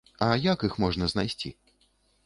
А як іх можна знайсці?